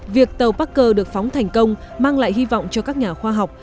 việc tàu parker được phóng thành công mang lại hy vọng cho các nhà khoa học